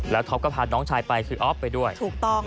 แล้วท็อปก็พาน้องชายไปคือออฟไปด้วยถูกต้อง